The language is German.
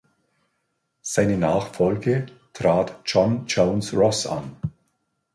Sein Nachfolge trat John Jones Ross an.